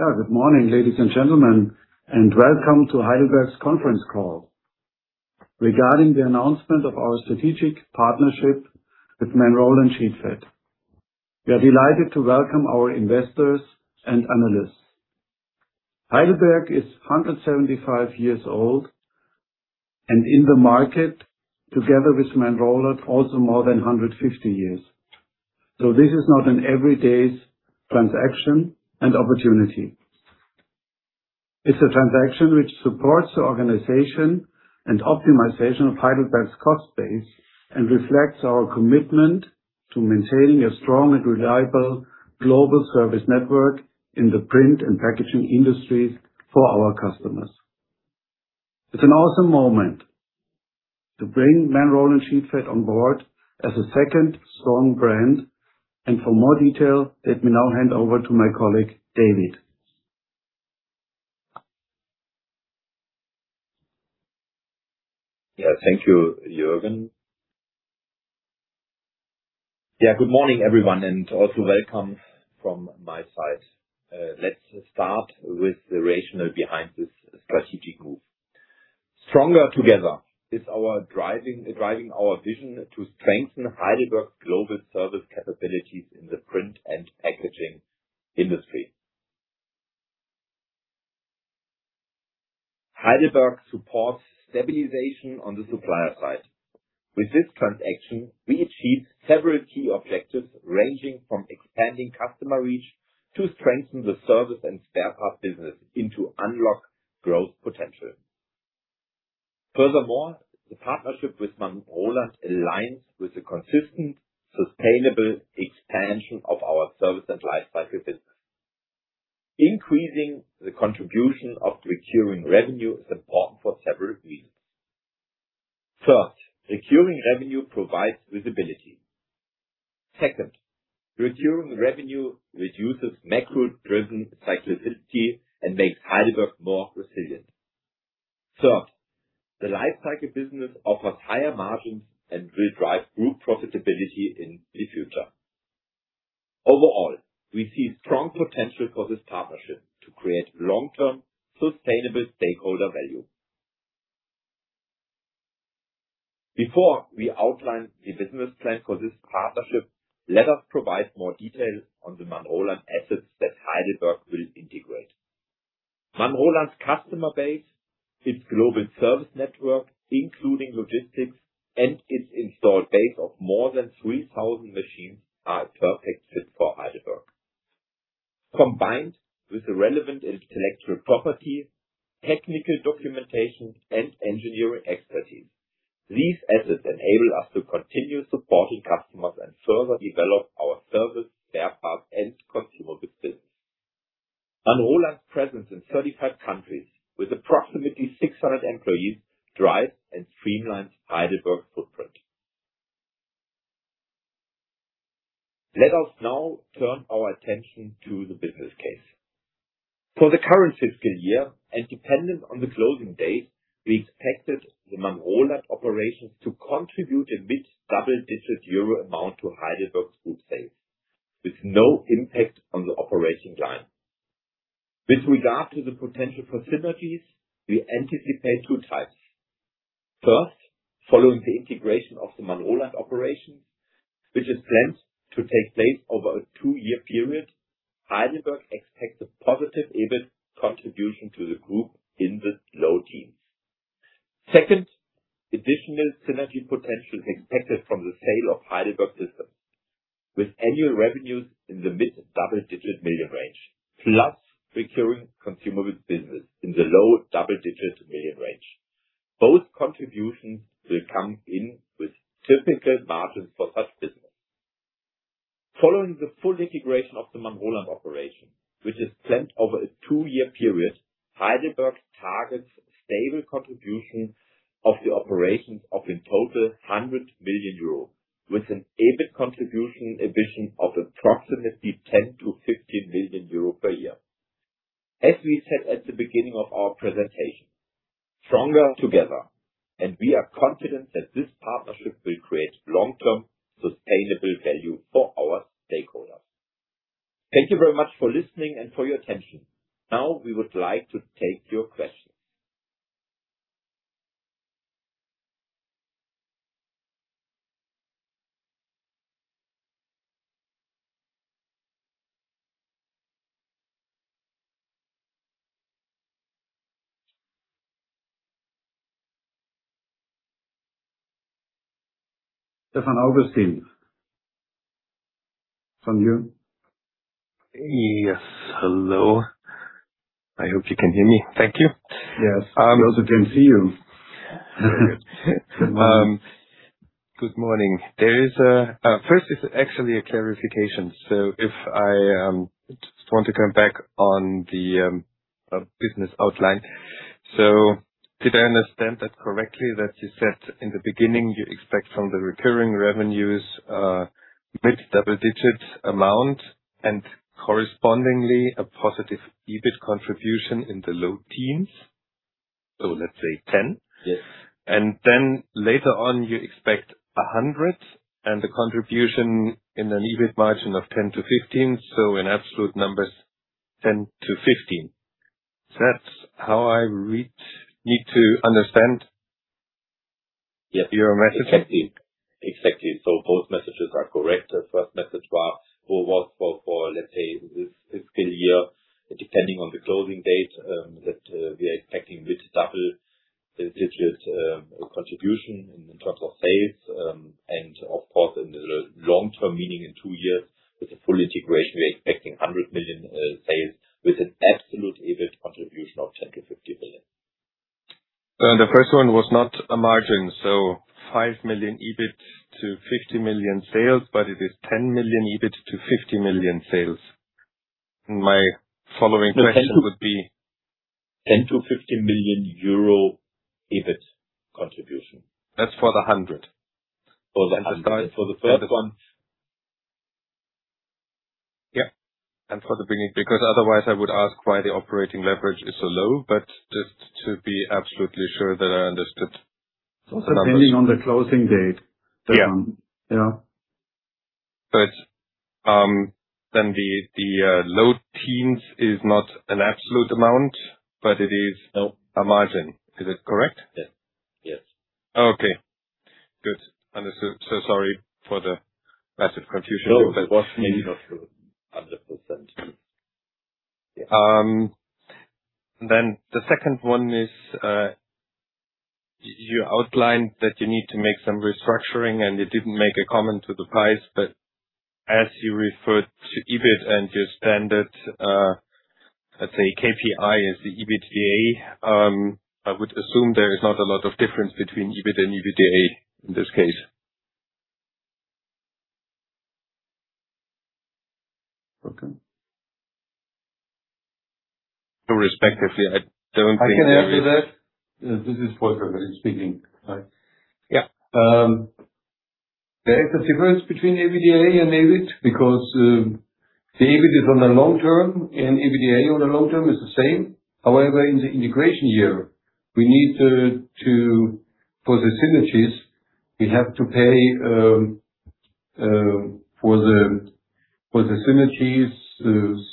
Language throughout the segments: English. Yeah. Good morning, ladies and gentlemen, and welcome to Heidelberg's conference call regarding the announcement of our strategic partnership with Manroland Sheetfed. We are delighted to welcome our investors and analysts. Heidelberg is 175 years old and in the market, together with Manroland, also more than 150 years. This is not an everyday transaction and opportunity. It's a transaction which supports the organization and optimization of Heidelberg's cost base and reflects our commitment to maintaining a strong and reliable global service network in the print and packaging industries for our customers. It's an awesome moment to bring Manroland Sheetfed on board as a second strong brand, and for more detail, let me now hand over to my colleague, David. Yeah. Thank you, Jürgen. Yeah. Good morning, everyone, and also welcome from my side. Let's start with the rationale behind this strategic move. Stronger together is driving our vision to strengthen Heidelberg's global service capabilities in the print and packaging industry. Heidelberg supports stabilization on the supplier side. With this transaction, we achieve several key objectives ranging from expanding customer reach to strengthen the service and spare parts business into unlock growth potential. Furthermore, the partnership with Manroland aligns with the consistent, sustainable expansion of our service and life cycle business. Increasing the contribution of recurring revenue is important for several reasons. First, recurring revenue provides visibility. Second, recurring revenue reduces macro-driven cyclicity and makes Heidelberg more resilient. Third, the life cycle business offers higher margins and will drive group profitability in the future. Overall, we see strong potential for this partnership to create long-term, sustainable stakeholder value. Before we outline the business plan for this partnership, let us provide more details on the Manroland assets that Heidelberg will integrate. Manroland's customer base, its global service network, including logistics and its installed base of more than 3,000 machines, are a perfect fit for Heidelberg. Combined with the relevant intellectual property, technical documentation, and engineering expertise, these assets enable us to continue supporting customers and further develop our service, spare parts, and consumables business. Manroland's presence in 35 countries with approximately 600 employees drives and streamlines Heidelberg's footprint. Let us now turn our attention to the business case. For the current fiscal year and dependent on the closing date, we expected the Manroland operations to contribute a mid double-digit EUR amount to Heidelberg's group sales with no impact on the operating guidance. With regard to the potential for synergies, we anticipate two types. First, following the integration of the Manroland operations, which is planned to take place over a two-year period, Heidelberg expects a positive EBIT contribution to the group in the low teens. Second, additional synergy potential is expected from the sale of Heidelberg systems with annual revenues in the mid double-digit million range, plus recurring consumables business in the low double-digit million range. Both contributions will come in with typical margins for such business. Following the full integration of the Manroland operation, which is planned over a two-year period, Heidelberg targets stable contribution of the operations of in total 100 million euro, with an EBIT contribution ambition of approximately 10 million-15 million euro per year. We said at the beginning of our presentation, stronger together, and we are confident that this partnership will create long-term sustainable value for our stakeholders. Thank you very much for listening and for your attention. We would like to take your questions. Stefan Augustin. From you. Yes. Hello. I hope you can hear me. Thank you. Yes. We also can see you. Good morning. First, it's actually a clarification. If I just want to come back on the business outline. Did I understand that correctly that you said in the beginning you expect from the recurring revenues mid double-digits amount and correspondingly a positive EBIT contribution in the low-teens? Let's say 10. Yes. Later on you expect 100 million and the contribution in an EBIT margin of 10%-15%. In absolute numbers, 10 million-15 million. That's how I need to understand your message? Exactly. Both messages are correct. The first message for what, let's say, this fiscal year, depending on the closing date, that we are expecting mid to double-digit contribution in terms of sales. In the long term, meaning in two years with the full integration, we are expecting EUR 100 million in sales with an absolute EBIT contribution of EUR 10 million-EUR 15 million. The first one was not a margin, so 5 million EBIT to 50 million sales, but it is 10 million EBIT to 15 million sales. My following question would be. 10 million-15 million euro EBIT contribution. That's for the 100. For the 100. For the first one Yeah. For the beginning, because otherwise I would ask why the operating leverage is so low, just to be absolutely sure that I understood the numbers. It's also depending on the closing date. Yeah. Yeah. The low teens is not an absolute amount, but it. No A margin. Is it correct? Yes. Okay, good. Sorry for the massive confusion. No, it was me, not you, 100%. Yeah. The second one is, you outlined that you need to make some restructuring, and you didn't make a comment to the price, but as you referred to EBIT and your standard, let's say, KPI is the EBITDA, I would assume there is not a lot of difference between EBIT and EBITDA in this case. Okay. Respectively, I don't think. I can answer that. This is Volker speaking. Hi. Yeah. There is a difference between EBITDA and EBIT, because the EBIT is on the long term and EBITDA on the long term is the same. However, in the integration year, for the synergies, we have to pay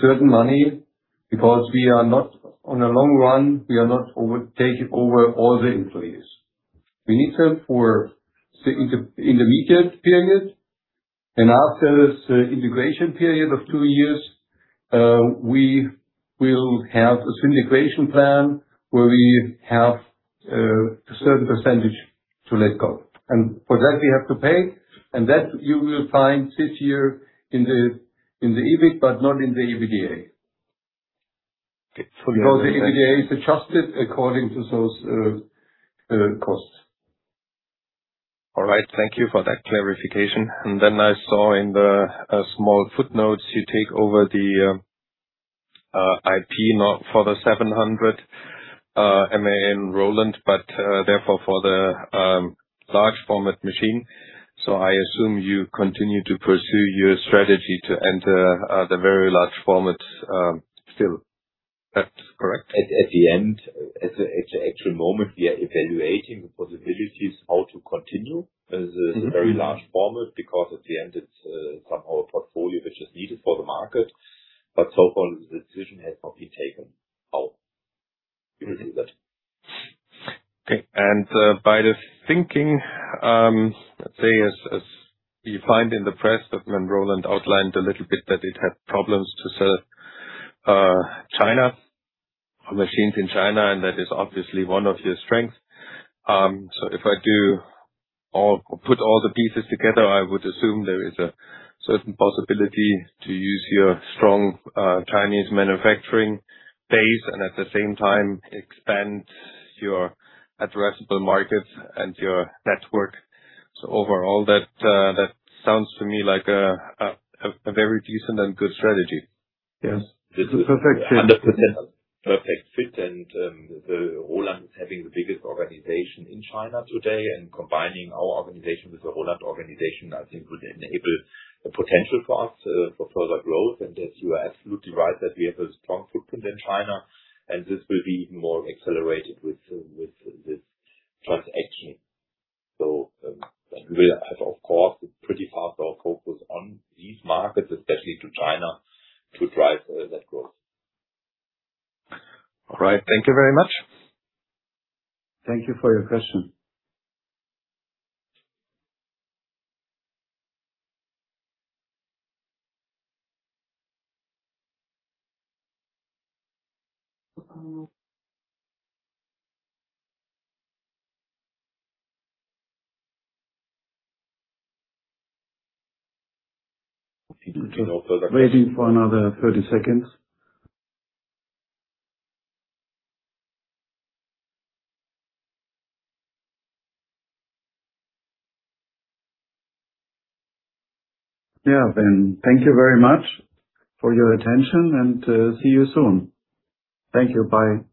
certain money because on the long run, we are not taking over all the employees. We need to for the intermediate period. After this integration period of two years, we will have a slim integration plan where we have a certain percentage to let go. For that we have to pay, and that you will find this year in the EBIT, but not in the EBITDA. Because the EBITDA is adjusted according to those costs. All right. Thank you for that clarification. I saw in the small footnotes, you take over the IP, not for the 700, Manroland, but therefore for the large format machine. I assume you continue to pursue your strategy to enter the very large format still. That's correct? At the actual moment, we are evaluating the possibilities how to continue the very large format, because at the end, it's somehow a portfolio which is needed for the market. So far, the decision has not been taken how we will do that. Okay. By the thinking, let's say, as you find in the press that when Manroland outlined a little bit that it had problems to sell machines in China, that is obviously one of your strengths. If I put all the pieces together, I would assume there is a certain possibility to use your strong Chinese manufacturing base and at the same time expand your addressable market and your network. Overall, that sounds to me like a very decent and good strategy. Yes. This is 100% perfect fit, Manroland is having the biggest organization in China today, combining our organization with the Manroland organization, I think would enable the potential for us for further growth. As you are absolutely right, that we have a strong footprint in China, this will be even more accelerated with this transaction. We will have, of course, pretty half our focus on these markets, especially to China, to drive that growth. All right. Thank you very much. Thank you for your question. Waiting for another 30 seconds. Yeah, thank you very much for your attention and see you soon. Thank you. Bye. Bye-bye.